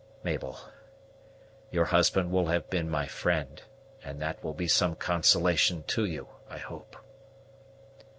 Mabel, your husband will have been my friend, and that will be some consolation to you, I hope."